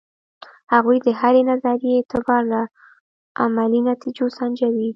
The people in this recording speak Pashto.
هغوی د هرې نظریې اعتبار له عملي نتیجو سنجوي.